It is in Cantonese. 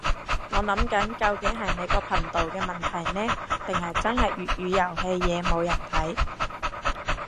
我諗緊究竟係你個頻道嘅問題呢，定係真係粵語遊戲嘢冇人睇